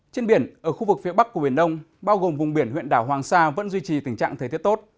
trên biển ở khu vực phía bắc của biển đông bao gồm vùng biển huyện đảo hoàng sa vẫn duy trì tình trạng thời tiết tốt